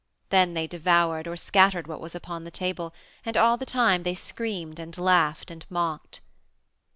Then they devoured or scattered what was upon the table, and all the time they screamed and laughed and mocked.